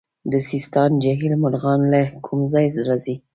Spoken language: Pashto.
د سیستان جهیل مرغان له کوم ځای راځي؟